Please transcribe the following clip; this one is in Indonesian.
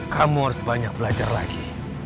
kamu harus banyak belajar lagi